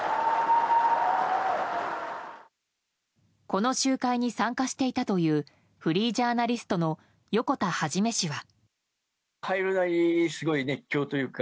この集会に参加していたというフリージャーナリストの横田一氏は。